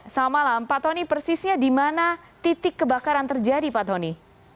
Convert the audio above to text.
selamat malam pak tony persisnya di mana titik kebakaran terjadi pak tony